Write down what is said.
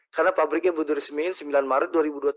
karena pabriknya berresmikan sembilan maret dua ribu dua puluh tiga